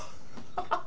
ハハハッ！